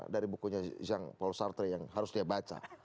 dari bukunya jean paul sartre yang harus dia baca